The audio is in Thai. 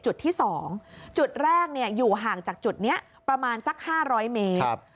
จุดที่๒จุดแรกอยู่ห่างจากจุดนี้ประมาณสัก๕๐๐เมตร